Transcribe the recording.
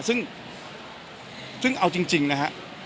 ซึ่งเอาจริงนะฮะ